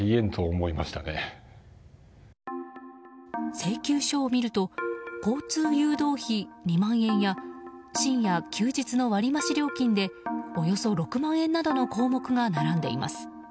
請求書を見ると交通誘導費２万円や深夜・休日の割増し料金でおよそ６万円などの項目が並んでいます。